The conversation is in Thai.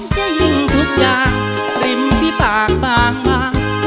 จะยิงทุกอย่างกลิ่มที่ปากบางมาก